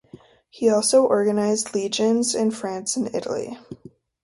He also organized legions in France and Italy.